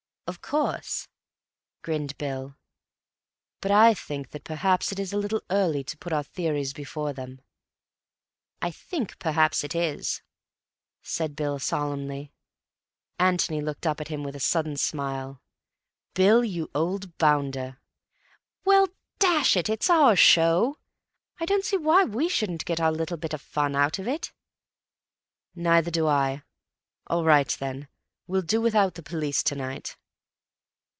"Of course," grinned Bill. "But I think that perhaps it is a little early to put our theories before them." "I think perhaps it is," said Bill solemnly. Antony looked up at him with a sudden smile. "Bill, you old bounder." "Well, dash it, it's our show. I don't see why we shouldn't get our little bit of fun out of it." "Neither do I. All right, then, we'll do without the police to night."